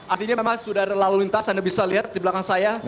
artinya memang sudah ada lalu lintas anda bisa lihat di belakang saya